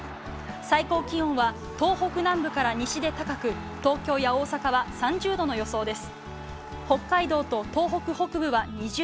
最高気温は東北南部から西で高く東京や大阪は３０度の予想です。